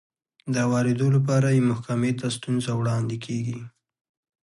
د هوارېدو لپاره يې محکمې ته ستونزه وړاندې کېږي.